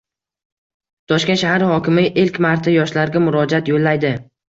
Toshkent shahar hokimi ilk marta yoshlarga murojaat yo‘llaydi